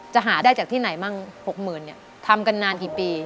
หาได้จากที่ไหนบ้าง๖๐๐๐เนี่ยทำกันนานกี่ปี